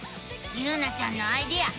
ゆうなちゃんのアイデアすごいね！